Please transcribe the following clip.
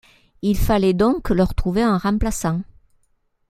Il fallait donc leur trouver un remplaçant.